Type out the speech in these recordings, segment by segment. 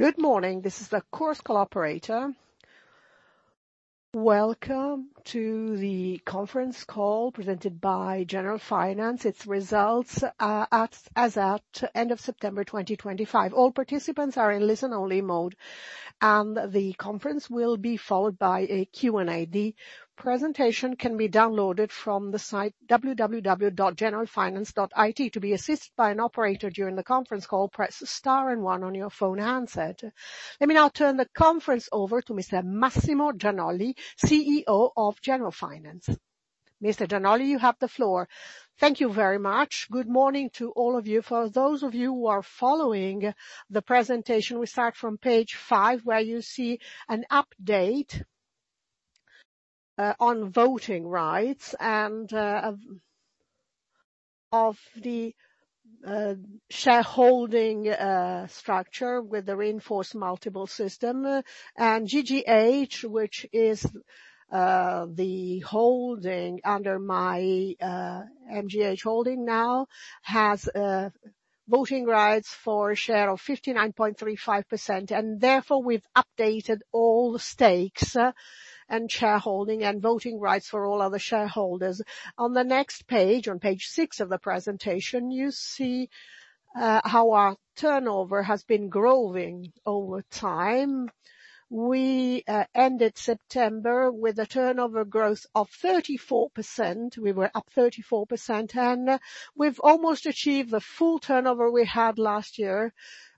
Good morning. This is the Chorus Call operator. Welcome to the conference call presented by Generalfinance, its results as at end of September 2025. All participants are in listen-only mode, and the conference will be followed by a Q&A. The presentation can be downloaded from the site www.generalfinance.it. To be assisted by an operator during the conference call, press star and one on your phone handset. Let me now turn the conference over to Mr. Massimo Gianolli, CEO of Generalfinance. Mr. Gianolli, you have the floor. Thank you very much. Good morning to all of you. For those of you who are following the presentation, we start from page five, where you see an update on voting rights and of the shareholding structure with the reinforced multiple system. GGH, which is the holding under my MGH holding now, has voting rights for a share of 59.35%, and therefore we've updated all stakes and shareholding and voting rights for all other shareholders. On the next page, on page six of the presentation, you see how our turnover has been growing over time. We ended September with a turnover growth of 34%. We were up 34%, and we've almost achieved the full turnover we had last year.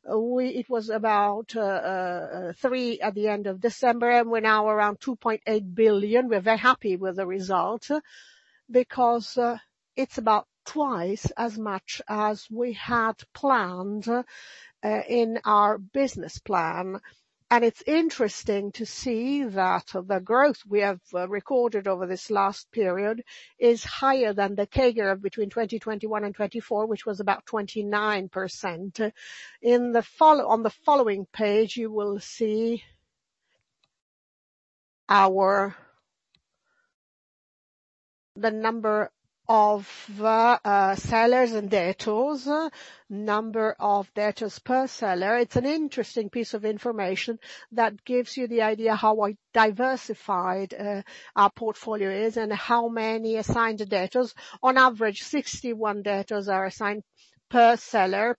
It was about 3 at the end of December, and we're now around 2.8 billion. We're very happy with the result because it's about twice as much as we had planned in our business plan. It's interesting to see that the growth we have recorded over this last period is higher than the CAGR between 2021 and 2024, which was about 29%. On the following page, you will see the number of sellers and debtors, number of debtors per seller. It's an interesting piece of information that gives you the idea how diversified our portfolio is and how many assigned debtors. On average, 61 debtors are assigned per seller,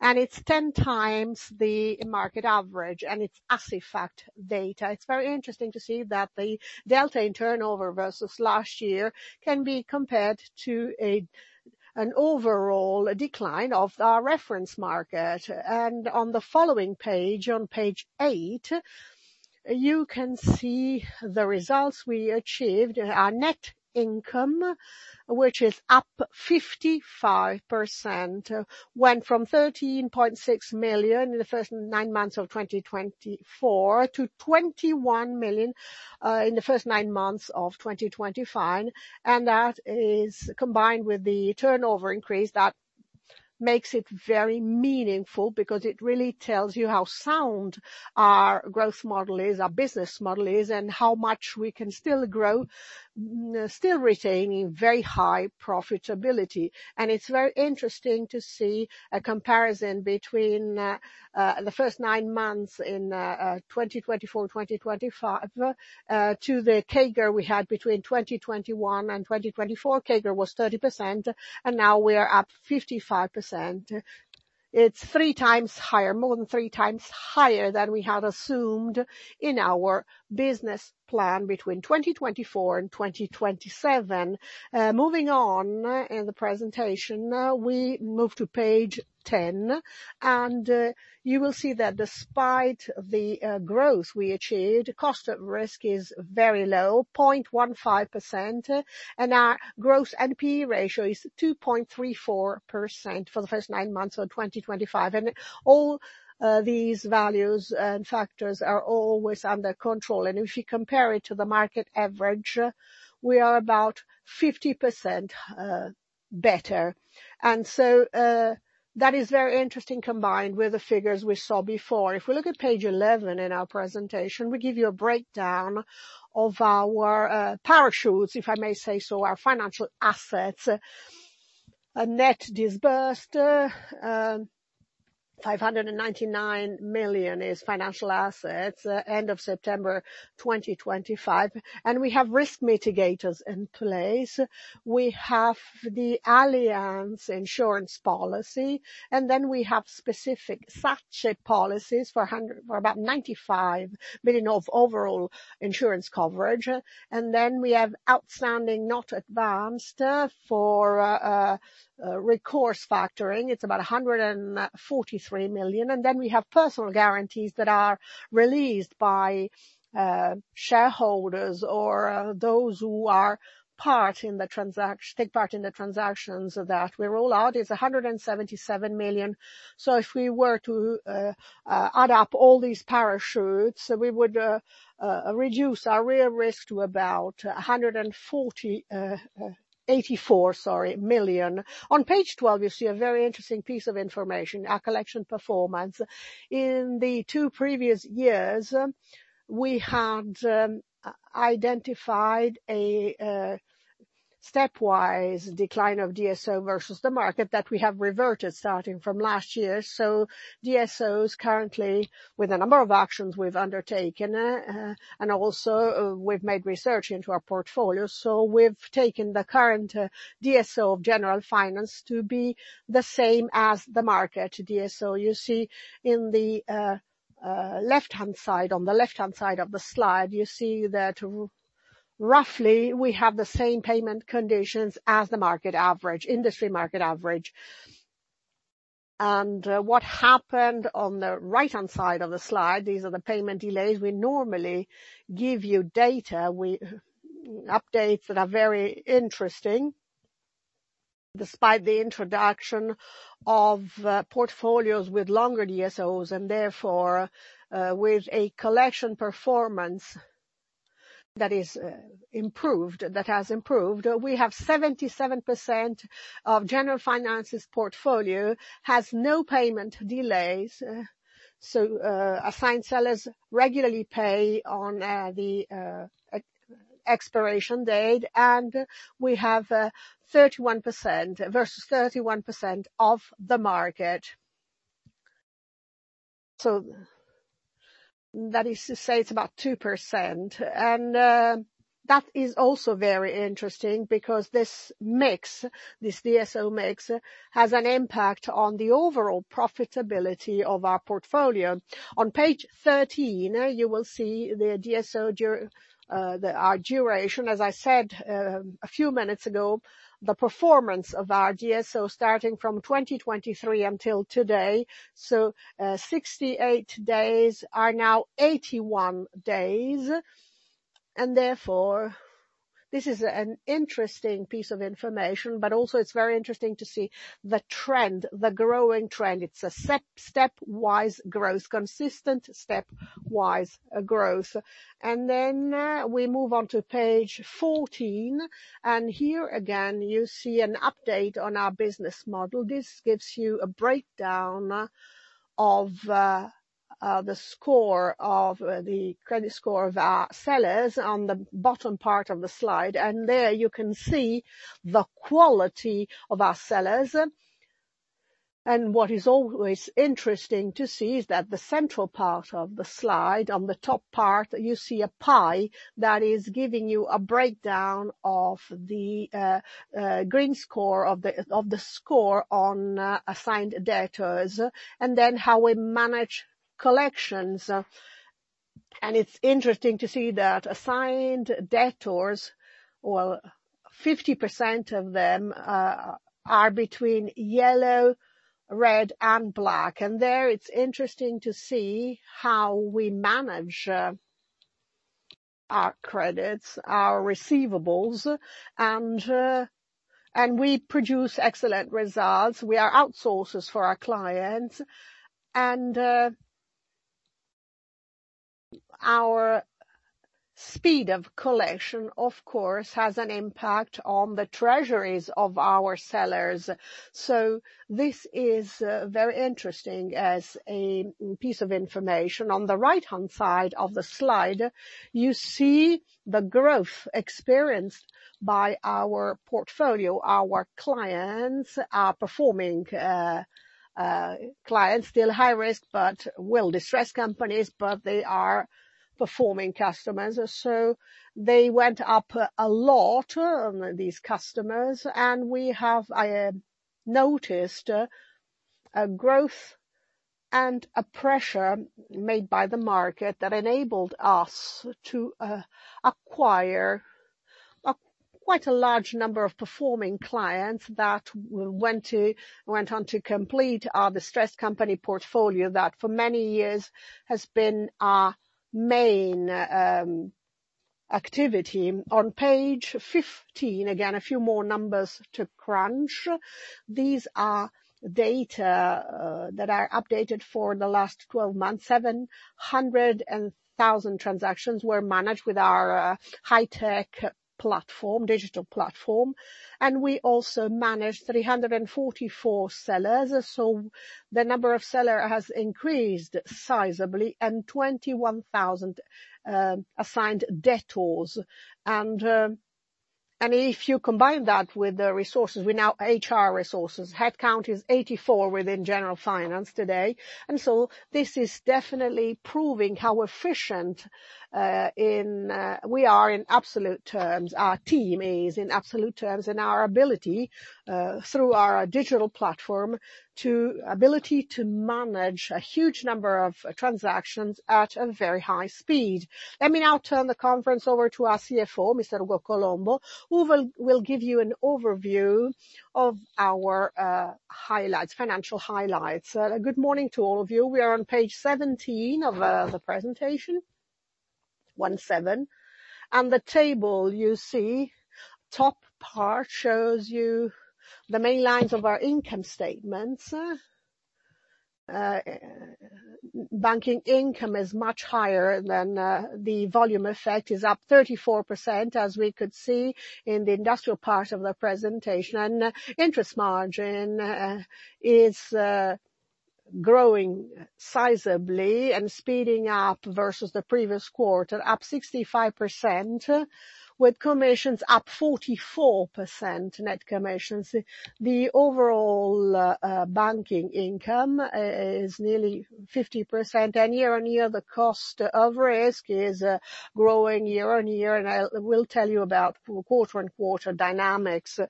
and it's 10x the market average, and it's Assifact data. It's very interesting to see that the delta in turnover versus last year can be compared to an overall decline of our reference market. On the following page, on page eight, you can see the results we achieved. Our net income, which is up 55%, went from 13.6 million in the first nine months of 2024 to 21 million in the first nine months of 2025. That is combined with the turnover increase that makes it very meaningful because it really tells you how sound our growth model is, our business model is, and how much we can still grow, still retaining very high profitability. It's very interesting to see a comparison between the first nine months in 2024, 2025 to the CAGR we had between 2021 and 2024. CAGR was 30%, and now we're up 55%. It's 3x higher, more than 3x higher than we had assumed in our business plan between 2024 and 2027. Moving on in the presentation, we move to page 10, and you will see that despite the growth we achieved, cost of risk is very low, 0.15%, and our gross NPE ratio is 2.34% for the first nine months of 2025. All these values and factors are always under control. If you compare it to the market average, we are about 50% better. That is very interesting combined with the figures we saw before. If we look at page 11 in our presentation, we give you a breakdown of our parachutes, if I may say so, our financial assets. Net disbursed, 599 million is financial assets end of September 2025. We have risk mitigators in place. We have the Allianz Insurance Policy, and then we have specific SACE Policies for about 95 million of overall insurance coverage. We have outstanding not advanced for recourse factoring. It's about 143 million. We have personal guarantees that are released by shareholders or those who take part in the transactions that we roll out, is 177 million. If we were to add up all these parachutes, we would reduce our real risk to about 84, sorry, million. On page 12, you see a very interesting piece of information, our collection performance. In the two previous years, we had identified a stepwise decline of DSO versus the market that we have reverted starting from last year. DSOs currently, with a number of actions we've undertaken, and also we've made research into our portfolio, we've taken the current DSO of Generalfinance to be the same as the market DSO. You see on the left-hand side of the slide, you see that roughly we have the same payment conditions as the industry market average. What happened on the right-hand side of the slide, these are the payment delays. We normally give you data, updates that are very interesting. Despite the introduction of portfolios with longer DSOs and therefore, with a collection performance that has improved, we have 77% of Generalfinance's portfolio has no payment delays. Assigned sellers regularly pay on the expiration date, and we have 31% versus 31% of the market. That is to say it's about 2%. That is also very interesting because this DSO mix has an impact on the overall profitability of our portfolio. On page 13, you will see the DSO, our duration, as I said a few minutes ago, the performance of our DSO starting from 2023 until today. 68 days are now 81 days, and therefore, this is an interesting piece of information, but also it's very interesting to see the growing trend. It's a consistent stepwise growth. We move on to page 14. Here again, you see an update on our business model. This gives you a breakdown of the credit score of our sellers on the bottom part of the slide. There you can see the quality of our sellers. What is always interesting to see is that the central part of the slide, on the top part, you see a pie that is giving you a breakdown of the green score of the score on assigned debtors, and then how we manage collections. It's interesting to see that assigned debtors, well, 50% of them are between yellow, red, and black. There, it's interesting to see how we manage our credits, our receivables, and we produce excellent results. We are outsourcers for our clients. Our speed of collection, of course, has an impact on the treasuries of our sellers. This is very interesting as a piece of information. On the right-hand side of the slide, you see the growth experienced by our portfolio. Our clients are performing clients, still high risk, but well distressed companies, but they are performing customers. They went up a lot, these customers, and we have noticed a growth and a pressure made by the market that enabled us to acquire quite a large number of performing clients that went on to complete our distressed company portfolio that for many years has been our main activity. On page 15, again, a few more numbers to crunch. These are data that are updated for the last 12 months. 700,000 transactions were managed with our high-tech digital platform, and we also managed 344 sellers, so the number of seller has increased sizably, and 21,000 assigned debtors. If you combine that with the resources, our HR resources, head count is 84 within Generalfinance today. This is definitely proving how efficient we are in absolute terms, our team is, in absolute terms in our ability through our digital platform, ability to manage a huge number of transactions at a very high speed. Let me now turn the conference over to our CFO, Mr. Ugo Colombo, who will give you an overview of our financial highlights. Good morning to all of you. We are on page 17 of the presentation, 17. The table you see, top part shows you the main lines of our income statements. Banking income is much higher than the volume effect, is up 34%, as we could see in the industrial part of the presentation. Interest margin is growing sizably and speeding up versus the previous quarter, up 65%, with commissions up 44%, net commissions. The overall banking income is nearly 50%, and year-on-year, the cost of risk is growing year-on-year, and I will tell you about quarter-on-quarter dynamics.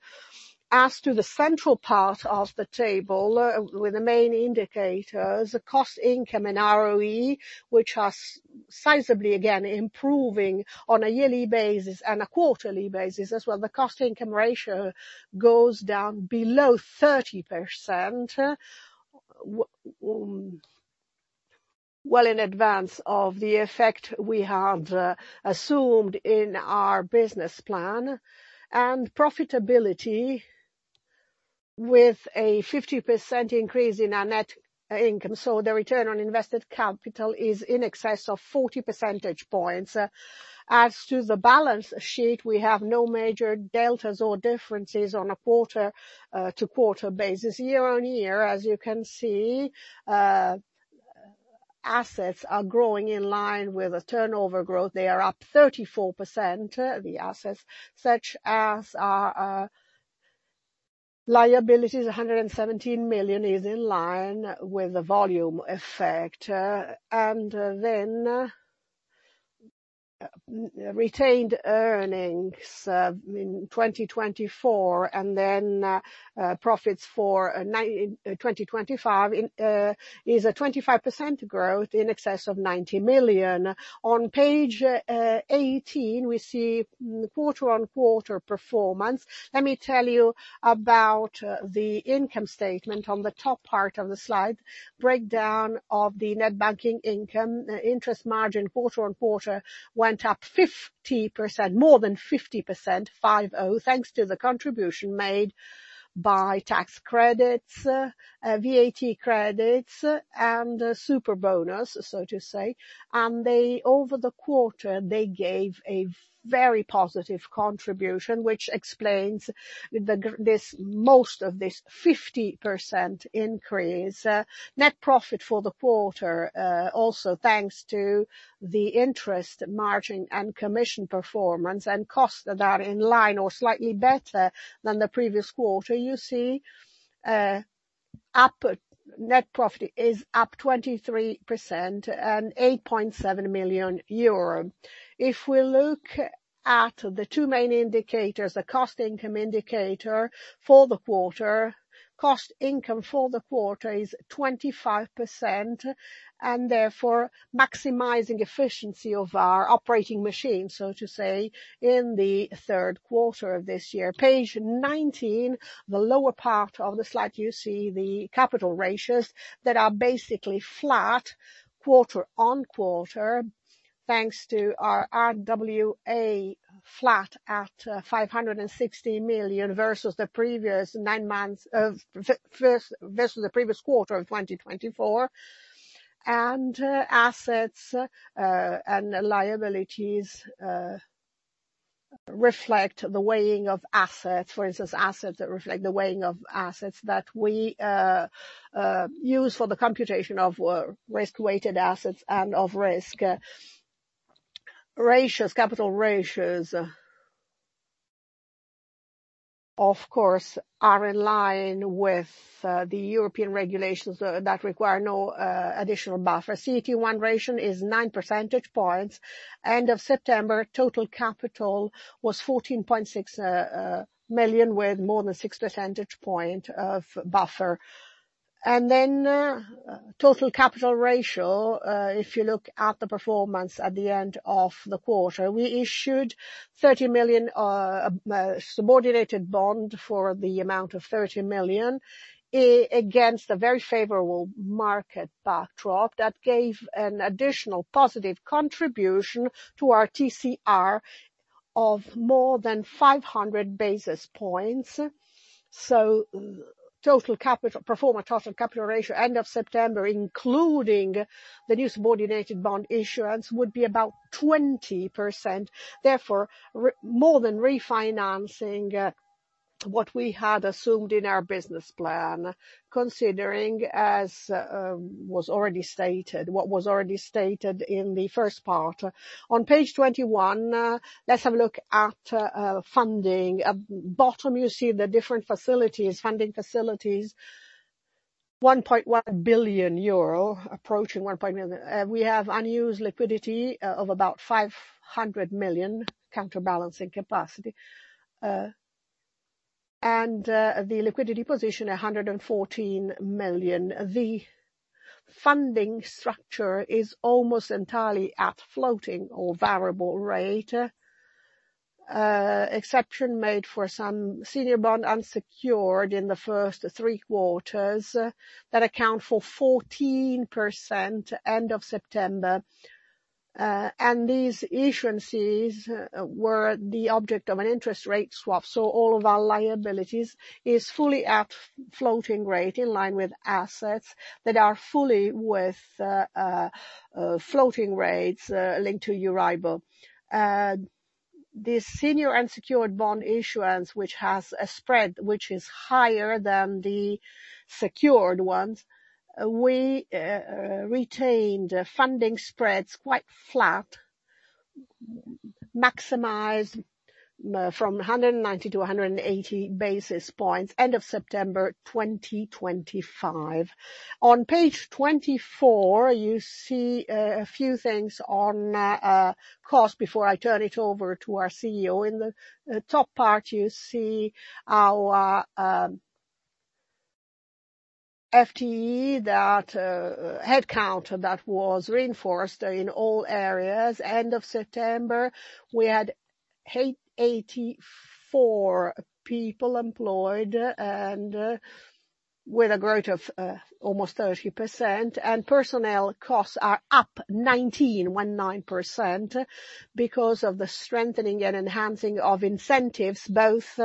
As to the central part of the table, with the main indicators, the cost-income and ROE, which are sizably again improving on a yearly basis and a quarterly basis as well. The cost-income ratio goes down below 30%, well in advance of the effect we had assumed in our business plan. Profitability with a 50% increase in our net income, the return on invested capital is in excess of 40 percentage points. As to the balance sheet, we have no major deltas or differences on a quarter-to-quarter basis. Year-on-year, as you can see, assets are growing in line with a turnover growth. They are up 34%, the assets, such as our liabilities, 117 million, is in line with the volume effect. Retained earnings in 2024, and then profits for 2025 is a 25% growth in excess of 90 million. On page 18, we see quarter-on-quarter performance. Let me tell you about the income statement on the top part of the slide. Breakdown of the net banking income. Interest margin quarter-on-quarter went up 50%, more than 50%, 50, thanks to the contribution made by tax credits, VAT credits, and the Superbonus, so to say. Over the quarter, they gave a very positive contribution, which explains most of this 50% increase. Net profit for the quarter, also thanks to the interest margin and commission performance and costs that are in line or slightly better than the previous quarter, you see net profit is up 23% and 8.7 million euro. If we look at the two main indicators, the cost income indicator for the quarter, cost income for the quarter is 25%, and therefore maximizing efficiency of our operating machine, so to say, in the third quarter of this year. Page 19, the lower part of the slide, you see the capital ratios that are basically flat quarter-on-quarter, thanks to our RWA flat at 560 million versus the previous quarter of 2024. Assets and liabilities reflect the weighing of assets. For instance, assets that reflect the weighing of assets that we use for the computation of risk-weighted assets and of risk ratios. Capital ratios, of course, are in line with the European regulations that require no additional buffer. CET1 ratio is 9 percentage points. End of September, total capital was 14.6%, with more than 6 percentage points of buffer. Total Capital Ratio, if you look at the performance at the end of the quarter, we issued 30 million subordinated bond for the amount of 30 million, against a very favorable market backdrop that gave an additional positive contribution to our TCR of more than 500 basis points. Pro forma Total Capital Ratio end of September, including the new subordinated bond issuance, would be about 20%. Therefore, more than refinancing what we had assumed in our Business Plan, considering what was already stated in the first part. On page 21, let's have a look at funding. At bottom, you see the different facilities, funding facilities, 1.1 billion euro, approaching 1.9 billion. We have unused liquidity of about 500 million counterbalancing capacity. The liquidity position, 114 million. The funding structure is almost entirely at floating or variable rate, exception made for some senior bond unsecured in the first three quarters that account for 14% end of September. These issuances were the object of an interest rate swap. All of our liabilities is fully at floating rate in line with assets that are fully with floating rates linked to EURIBOR. The senior unsecured bond issuance, which has a spread which is higher than the secured ones. We retained funding spreads quite flat, maximized from 190 basis points-180 basis points, end of September 2025. On page 24, you see a few things on cost before I turn it over to our CEO. In the top part, you see our FTE, that headcount that was reinforced in all areas. End of September, we had 84 people employed, and with a growth of almost 30%. Personnel costs are up 19%, 19%, because of the strengthening and enhancing of incentives, both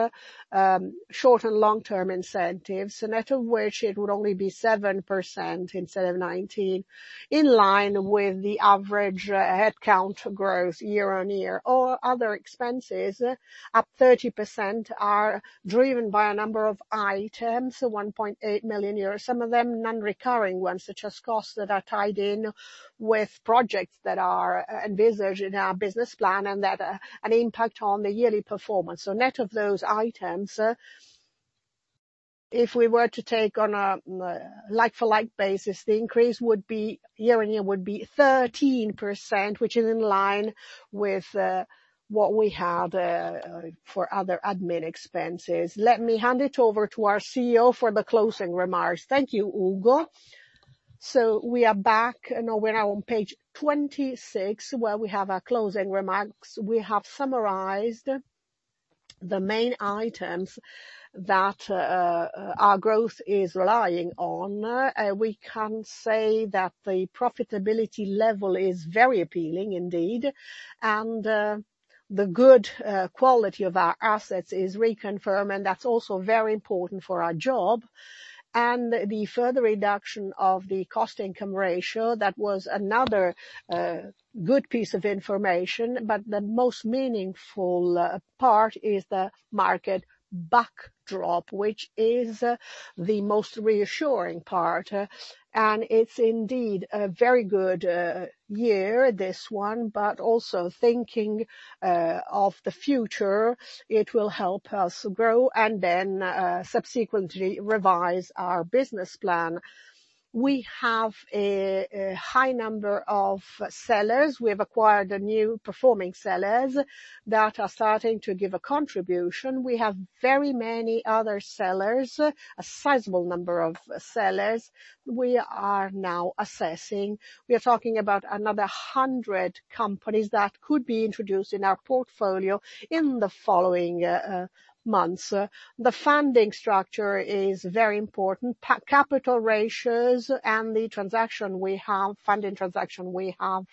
short and long-term incentives. Net of which it would only be 7% instead of 19%, in line with the average headcount growth year-on-year. Other expenses, up 30%, are driven by a number of items, 1.8 million euros, some of them non-recurring ones, such as costs that are tied in with projects that are envisaged in our business plan and that an impact on the yearly performance. Net of those items, if we were to take on a like-for-like basis, the increase year-on-year would be 13%, which is in line with what we had for other admin expenses. Let me hand it over to our CEO for the closing remarks. Thank you, Ugo. We are back, and we're now on page 26, where we have our closing remarks. We have summarized the main items that our growth is relying on. We can say that the profitability level is very appealing indeed, and the good quality of our assets is reconfirmed, and that's also very important for our job. The further reduction of the cost-income ratio, that was another good piece of information, but the most meaningful part is the market backdrop, which is the most reassuring part. It's indeed a very good year, this one, but also thinking of the future, it will help us grow and then subsequently revise our business plan. We have a high number of sellers. We have acquired new performing sellers that are starting to give a contribution. We have very many other sellers, a sizable number of sellers we are now assessing. We are talking about another 100 companies that could be introduced in our portfolio in the following months. The funding structure is very important. Capital ratios and the funding transaction we have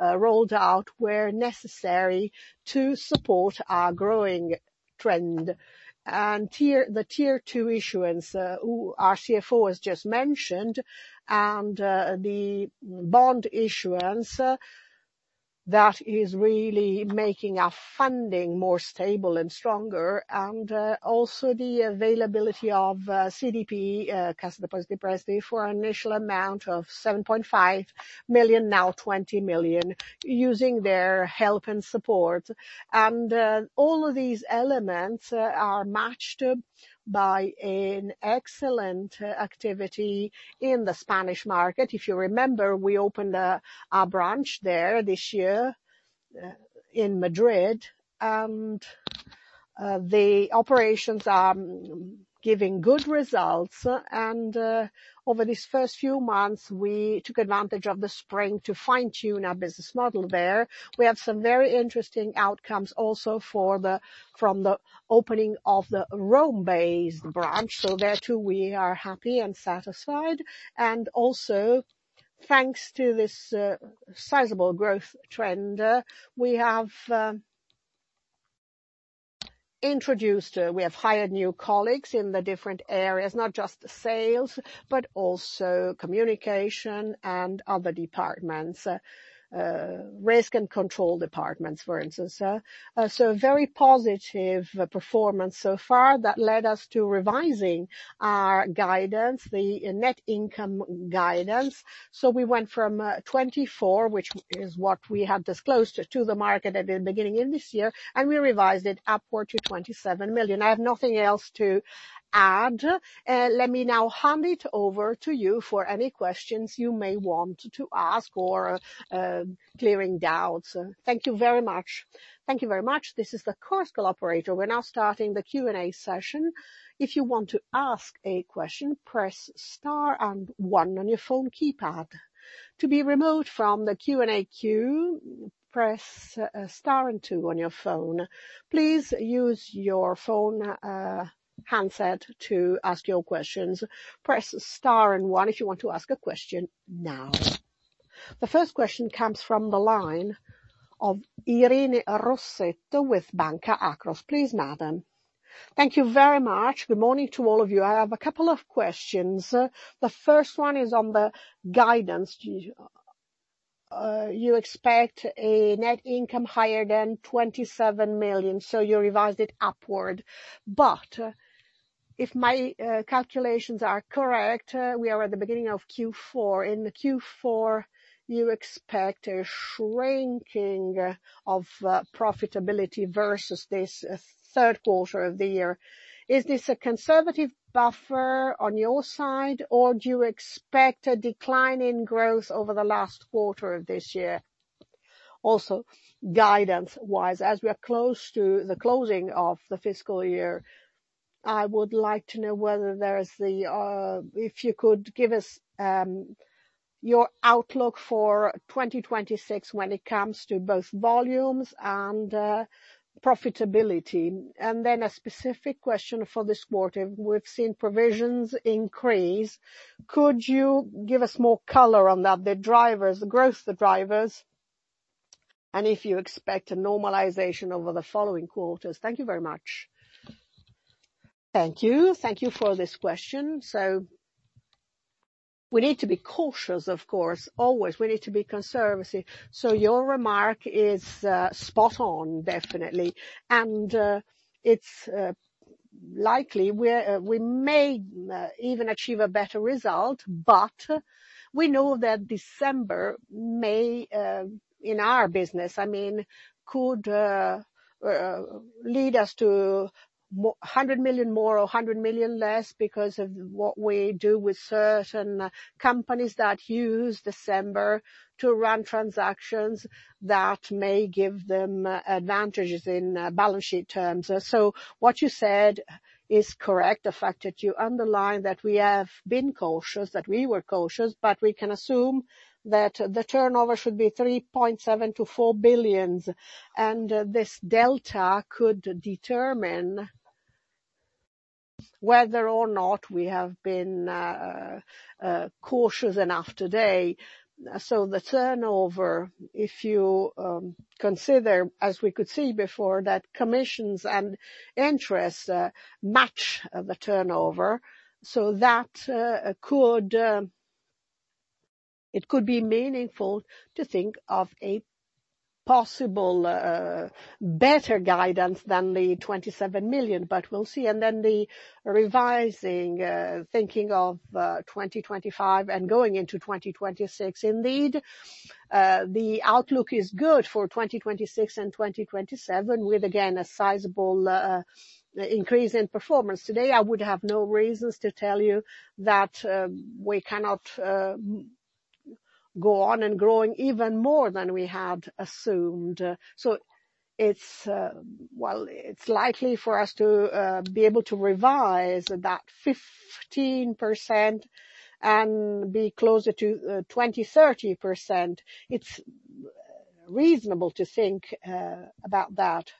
rolled out were necessary to support our growing trend. The Tier 2 issuance, our CFO has just mentioned, and the bond issuance, that is really making our funding more stable and stronger, and also the availability of CDP, Cassa Depositi e Prestiti, for an initial amount of 7.5 million, now 20 million, using their help and support. All of these elements are matched by an excellent activity in the Spanish market. If you remember, we opened a branch there this year in Madrid, and the operations are giving good results. Over these first few months, we took advantage of the spring to fine-tune our business model there. We have some very interesting outcomes also from the opening of the Rome-based branch. There, too, we are happy and satisfied. Also, thanks to this sizable growth trend, we have hired new colleagues in the different areas, not just sales, but also communication and other departments, risk and control departments, for instance. A very positive performance so far that led us to revising our guidance, the net income guidance. We went from 24 million, which is what we had disclosed to the market at the beginning of this year, and we revised it upward to 27 million. I have nothing else to add. Let me now hand it over to you for any questions you may want to ask or clearing doubts. Thank you very much. Thank you very much. This is the Chorus Call operator. We're now starting the Q&A session. If you want to ask a question, press star and one on your phone keypad. To be removed from the Q&A queue, press star and two on your phone. Please use your phone handset to ask your questions. Press star and one if you want to ask a question now. The first question comes from the line of Irene Rossetto with Banca Akros. Please, madam. Thank you very much. Good morning to all of you. I have a couple of questions. The first one is on the guidance. You expect a net income higher than 27 million, so you revised it upward. If my calculations are correct, we are at the beginning of Q4. In Q4, you expect a shrinking of profitability versus this third quarter of the year. Is this a conservative buffer on your side, or do you expect a decline in growth over the last quarter of this year? Also, guidance-wise, as we are close to the closing of the fiscal year, I would like to know if you could give us your outlook for 2026 when it comes to both volumes and profitability. A specific question for this quarter, we've seen provisions increase. Could you give us more color on that, the growth drivers, and if you expect a normalization over the following quarters? Thank you very much. Thank you for this question. We need to be cautious, of course, always. We need to be conservative. Your remark is spot on, definitely. It's likely we may even achieve a better result, but we know that December may, in our business, could lead us to 100 million more or 100 million less because of what we do with certain companies that use December to run transactions that may give them advantages in balance sheet terms. What you said is correct. The fact that you underline that we have been cautious, that we were cautious, but we can assume that the turnover should be 3.7 billion-4 billion, and this delta could determine whether or not we have been cautious enough today. The turnover, if you consider, as we could see before, that commissions and interests match the turnover, so it could be meaningful to think of a possible better guidance than the 27 million, but we'll see. The revising, thinking of 2025 and going into 2026. Indeed, the outlook is good for 2026 and 2027, with again, a sizable increase in performance. Today, I would have no reasons to tell you that we cannot go on and growing even more than we had assumed. It's likely for us to be able to revise that 15% and be closer to 20%-30%. It's reasonable to think about that.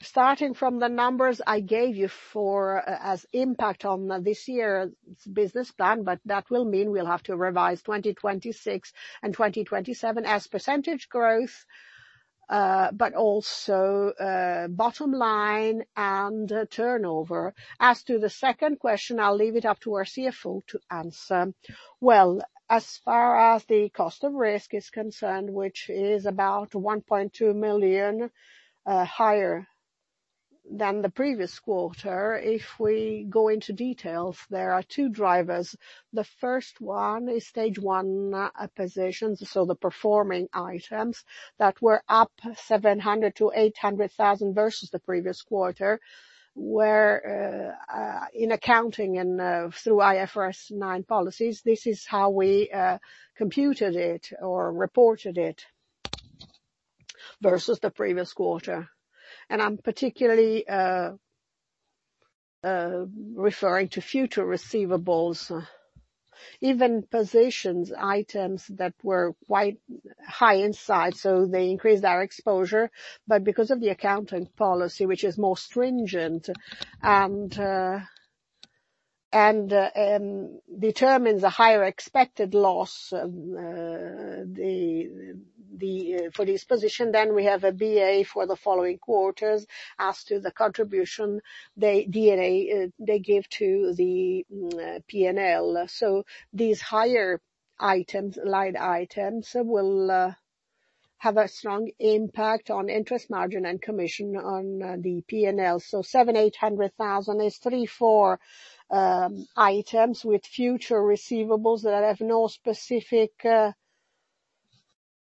Starting from the numbers I gave you as impact on this year's business plan, but that will mean we'll have to revise 2026 and 2027 as percentage growth, but also bottom line and turnover. As to the second question, I'll leave it up to our CFO to answer. Well, as far as the cost of risk is concerned, which is about 1.2 million higher than the previous quarter, if we go into details, there are two drivers. The first one is stage one positions, so the performing items that were up 700,000-800,000 versus the previous quarter, where in accounting and through IFRS 9 Policies, this is how we computed it or reported it versus the previous quarter. I'm particularly referring to future receivables, even positions items that were quite high in size, so they increased our exposure. Because of the accounting policy, which is more stringent and determines a higher expected loss for this position, then we have a BA for the following quarters. As to the contribution they give to the P&L, these higher line items will have a strong impact on interest margin and commission on the P&L. 700,000-800,000 is three-four items with future receivables that have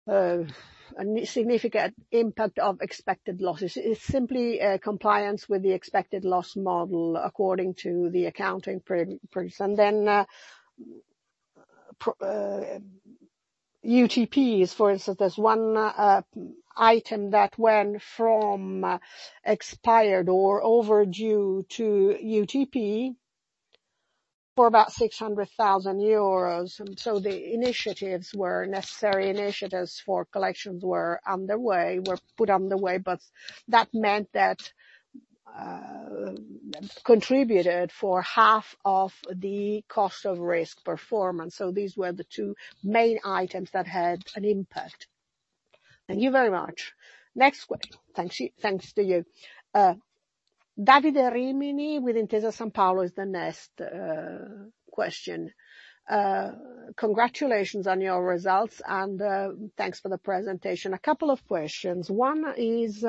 no specific significant impact of expected losses. It's simply compliance with the expected loss model according to the accounting principles. UTPs, for instance, there's one item that went from expired or overdue to UTP for about 600,000 euros. The necessary initiatives for collections were put underway, but that meant that contributed for half of the cost of risk performance. These were the two main items that had an impact. Thank you very much. Next question. Thanks to you. Davide Rimini with Intesa Sanpaolo is the next question. Congratulations on your results, and thanks for the presentation. A couple of questions. One is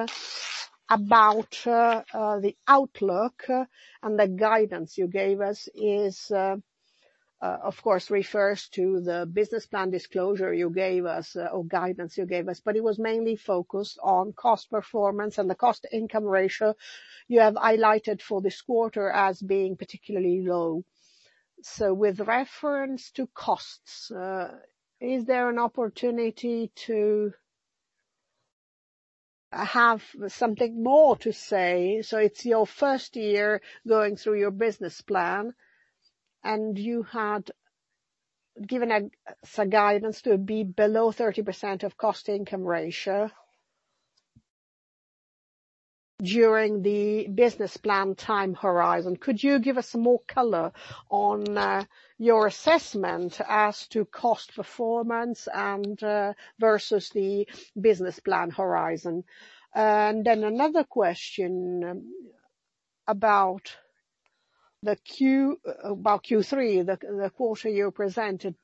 about the outlook and the guidance you gave us, is, of course, refers to the business plan disclosure you gave us or guidance you gave us, but it was mainly focused on cost performance and the cost-income ratio you have highlighted for this quarter as being particularly low. With reference to costs, is there an opportunity to have something more to say? It's your first year going through your business plan, and you had given us a guidance to be below 30% of cost-income ratio during the business plan time horizon. Could you give us more color on your assessment as to cost performance and versus the business plan horizon? Another question about Q3, the quarter you presented.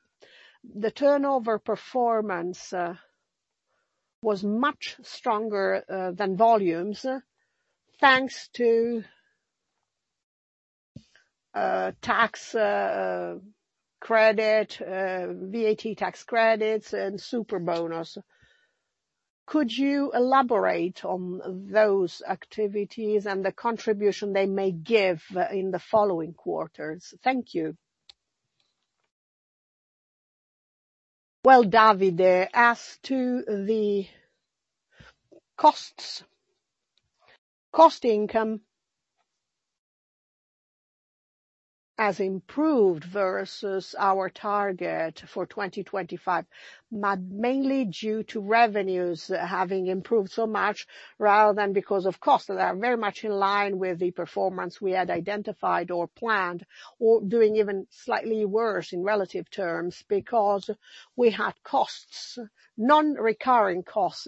The turnover performance was much stronger than volumes, thanks to tax credit, VAT tax credits and Superbonus. Could you elaborate on those activities and the contribution they may give in the following quarters? Thank you. Well, Davide, as to the costs, cost-income has improved versus our target for 2025, mainly due to revenues having improved so much rather than because of costs that are very much in line with the performance we had identified or planned, or doing even slightly worse in relative terms, because we had non-recurring costs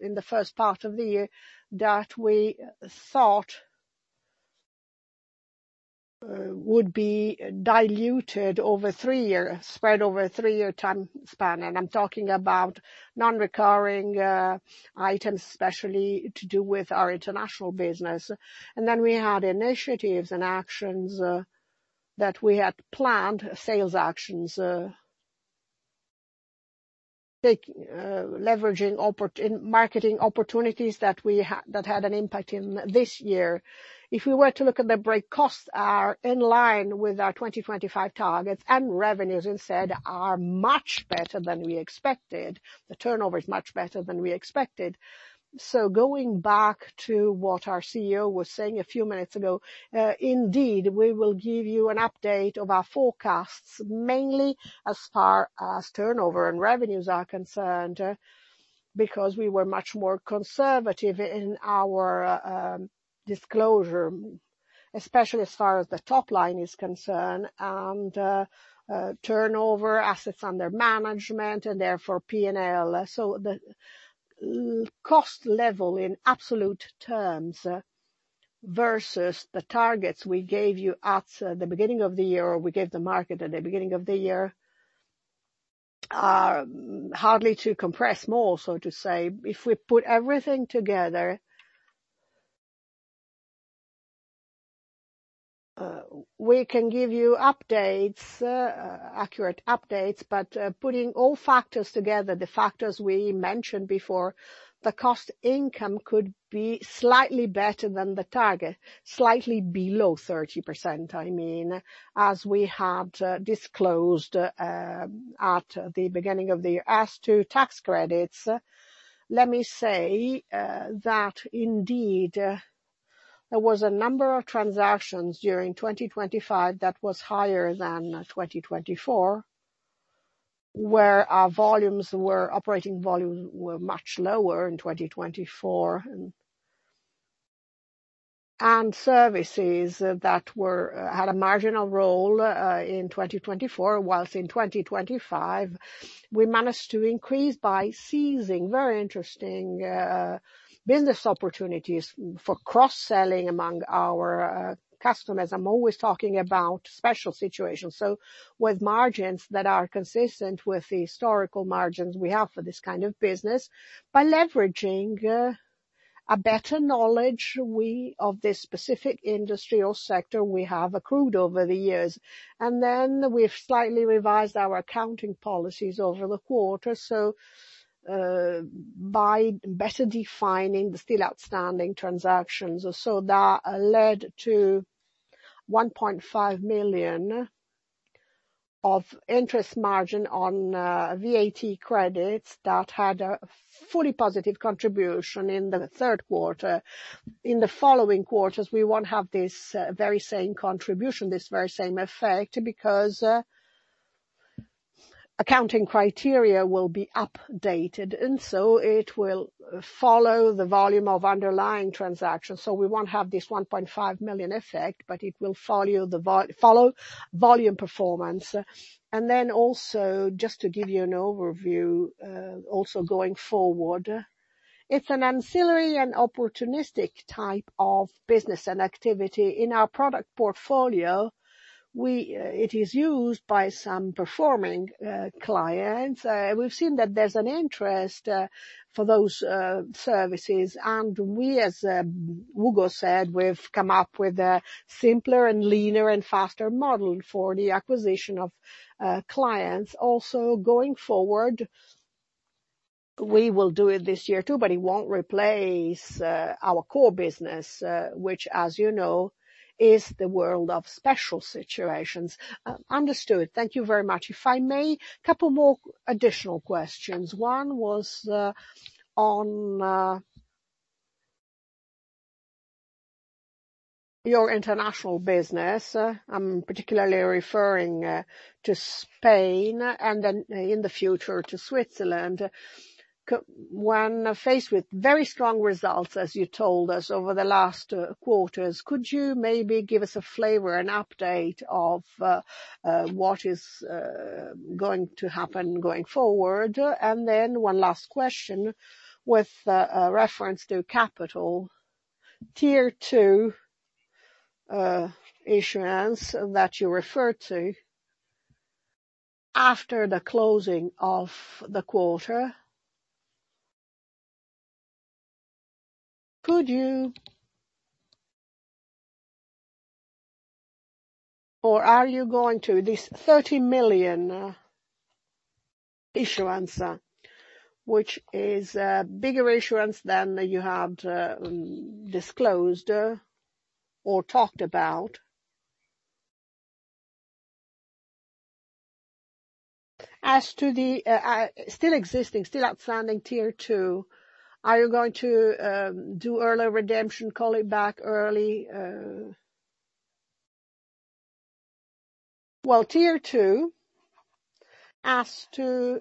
in the first part of the year that we thought would be diluted over three-year, spread over a three-year time span. I'm talking about non-recurring items, especially to do with our international business. We had initiatives and actions that we had planned, sales actions, leveraging marketing opportunities that had an impact in this year. If we were to look at the break, costs are in line with our 2025 targets, and revenues instead are much better than we expected. The turnover is much better than we expected. Going back to what our CEO was saying a few minutes ago, indeed, we will give you an update of our forecasts, mainly as far as turnover and revenues are concerned, because we were much more conservative in our disclosure, especially as far as the top line is concerned, and turnover, assets under management, and therefore P&L. The cost level in absolute terms versus the targets we gave you at the beginning of the year, or we gave the market at the beginning of the year, are hardly to compress more, so to say. If we put everything together, we can give you accurate updates, but putting all factors together, the factors we mentioned before, the cost income could be slightly better than the target, slightly below 30%, I mean, as we had disclosed at the beginning of the year. As to tax credits, let me say that indeed there was a number of transactions during 2025 that was higher than 2024, where our operating volumes were much lower in 2024. Services that had a marginal role in 2024, whilst in 2025 we managed to increase by seizing very interesting business opportunities for cross-selling among our customers. I'm always talking about special situations, with margins that are consistent with the historical margins we have for this kind of business, by leveraging a better knowledge of this specific industry or sector we have accrued over the years. We've slightly revised our accounting policies over the quarter, so by better defining the still outstanding transactions. That led to 1.5 million of interest margin on VAT credits that had a fully positive contribution in the third quarter. In the following quarters, we won't have this very same contribution, this very same effect, because accounting criteria will be updated, and so it will follow the volume of underlying transactions. We won't have this 1.5 million effect, but it will follow volume performance. Also just to give you an overview, also going forward, it's an ancillary and opportunistic type of business and activity in our product portfolio. It is used by some performing clients. We've seen that there's an interest for those services, and we, as Ugo said, we've come up with a simpler and leaner and faster model for the acquisition of clients also going forward. We will do it this year too, but it won't replace our core business, which, as you know, is the world of special situations. Understood. Thank you very much. If I may, couple more additional questions. One was on your international business. I'm particularly referring to Spain, and then in the future to Switzerland. When faced with very strong results, as you told us, over the last quarters, could you maybe give us a flavor, an update of what is going to happen going forward? And then one last question with reference to capital. Tier 2 issuance that you referred to after the closing of the quarter. Could you or are you going to... This 30 million issuance, which is bigger issuance than you had, mm, disclosed or talked about. As to the still existing, still outstanding Tier 2, are you going to do early redemption, call it back early? Well, Tier 2, as to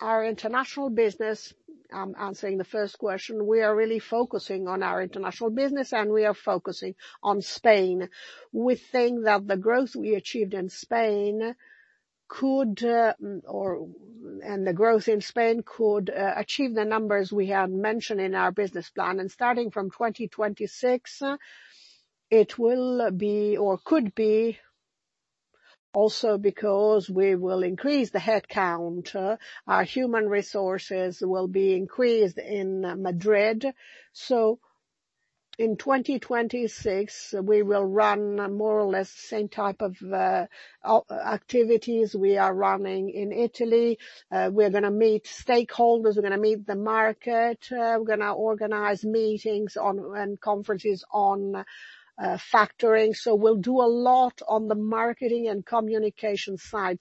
our international business, I'm answering the first question. We are really focusing on our international business, and we are focusing on Spain. We think that the growth we achieved in Spain could achieve the numbers we had mentioned in our business plan. Starting from 2026, it will be or could be also because we will increase the headcount. Our human resources will be increased in Madrid. In 2026, we will run more or less the same type of activities we are running in Italy. We're going to meet stakeholders, we're going to meet the market, we're going to organize meetings and conferences on factoring. We'll do a lot on the marketing and communication side.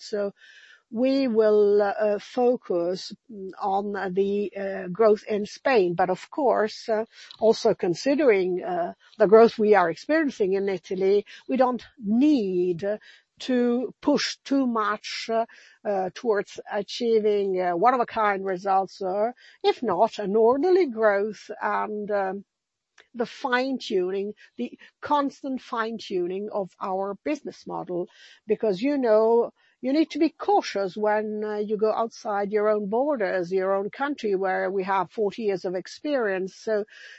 We will focus on the growth in Spain. Of course, also considering the growth we are experiencing in Italy, we don't need to push too much towards achieving one-of-a-kind results. If not an ordinary growth, and the fine-tuning, the constant fine-tuning of our business model. Because, you know, you need to be cautious when you go outside your own borders, your own country, where we have 40 years of experience.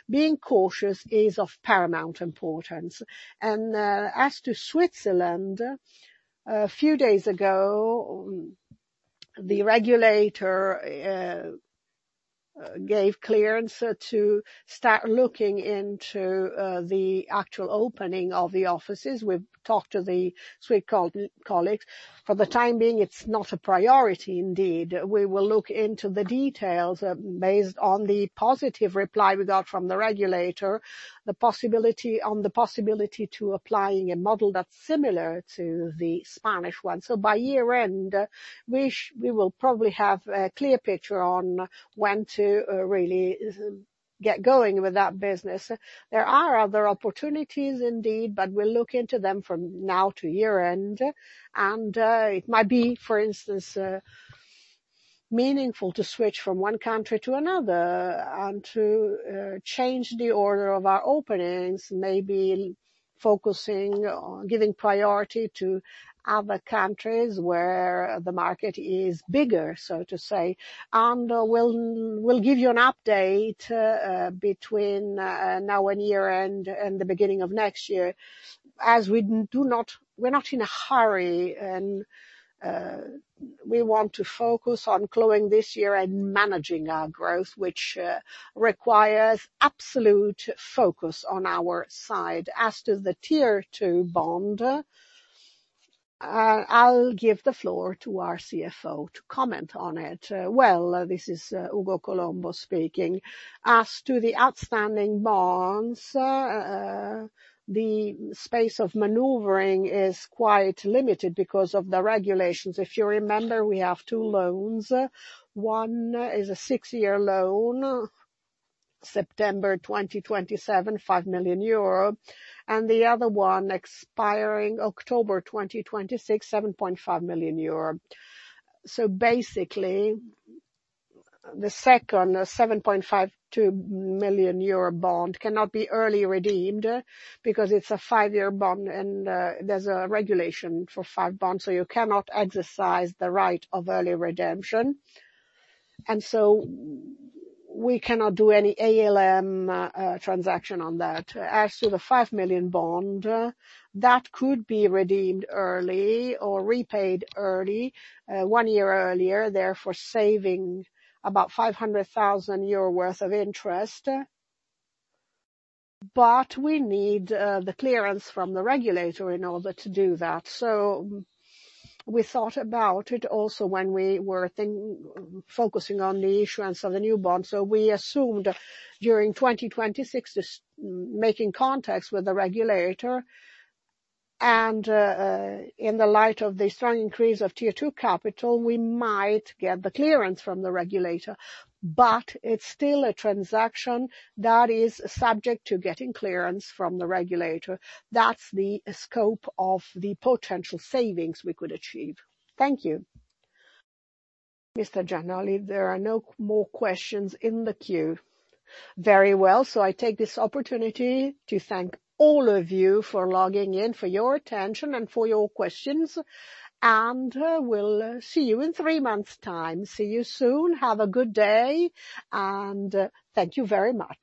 Being cautious is of paramount importance. As to Switzerland, a few days ago, the regulator gave clearance to start looking into the actual opening of the offices. We've talked to the Swiss colleagues. For the time being, it's not a priority indeed. We will look into the details based on the positive reply we got from the regulator on the possibility to applying a model that's similar to the Spanish one. By year-end, we will probably have a clear picture on when to really get going with that business. There are other opportunities indeed, but we'll look into them from now to year-end. It might be, for instance, meaningful to switch from one country to another and to change the order of our openings, maybe focusing on giving priority to other countries where the market is bigger, so to say. We'll give you an update, between now and year-end and the beginning of next year. As we're not in a hurry, and we want to focus on closing this year and managing our growth, which requires absolute focus on our side. As to the Tier 2 bond, I'll give the floor to our CFO to comment on it. Well, this is Ugo Colombo speaking. As to the outstanding bonds, the space of maneuvering is quite limited because of the regulations. If you remember, we have two loans. One is a six-year loan, September 2027, 5 million euro, and the other one expiring October 2026, 7.5 million euro. Basically, the second 7.52 million euro bond cannot be early redeemed because it's a five-year bond, and there's a regulation for five bonds, so you cannot exercise the right of early redemption. We cannot do any ALM transaction on that. As to the 5 million bond, that could be redeemed early or repaid early, one year earlier, therefore saving about 500,000 euro worth of interest. We need the clearance from the regulator in order to do that. We thought about it also when we were focusing on the issuance of the new bond. We assumed during 2026, making contacts with the regulator, and in the light of the strong increase of Tier 2 capital, we might get the clearance from the regulator. It's still a transaction that is subject to getting clearance from the regulator. That's the scope of the potential savings we could achieve. Thank you. Mr. Gianolli, there are no more questions in the queue. Very well. I take this opportunity to thank all of you for logging in, for your attention, and for your questions. We'll see you in three months' time. See you soon. Have a good day, and thank you very much.